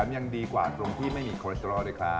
ยังดีกว่าตรงที่ไม่มีโคสตรอลด้วยครับ